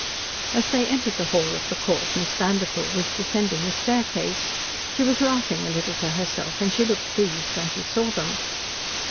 As they entered the hall of the Court Miss Vanderpoel was descending the staircase. She was laughing a little to herself, and she looked pleased when she saw them.